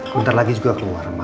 bentar lagi juga keluar